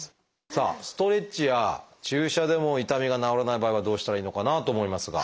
さあストレッチや注射でも痛みが治らない場合はどうしたらいいのかなと思いますが。